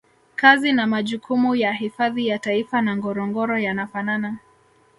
kazi na majukumu ya hifadhi ya Taifa na Ngorongoro yanafanana